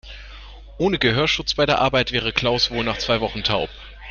Ohne Gehörschutz bei der Arbeit wäre Klaus wohl nach zwei Wochen taub.